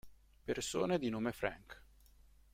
Persone di nome Frank